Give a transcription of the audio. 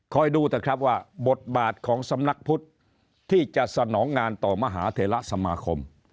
ดูเถอะครับว่าบทบาทของสำนักพุทธที่จะสนองงานต่อมหาเทระสมาคม